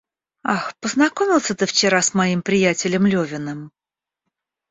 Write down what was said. Ах, познакомился ты вчера с моим приятелем Левиным?